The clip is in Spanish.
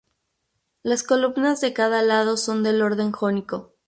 Las columnas de cada lado son del orden jónico.